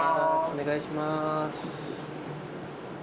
お願いします。